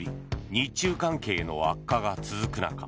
日中関係の悪化が続く中